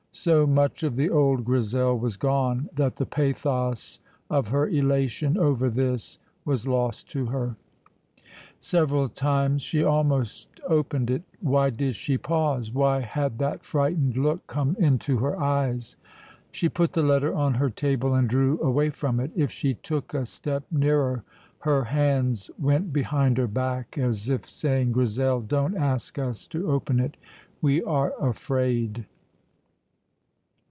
So much of the old Grizel was gone that the pathos of her elation over this was lost to her. Several times she almost opened it. Why did she pause? why had that frightened look come into her eyes? She put the letter on her table and drew away from it. If she took a step nearer, her hands went behind her back as if saying, "Grizel, don't ask us to open it; we are afraid."